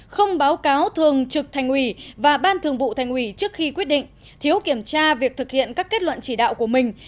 không báo cáo thường trực thành ủy và ban thường vụ thành ủy trước khi quyết định thiếu kiểm tra việc thực hiện các kết luận chỉ đạo của mình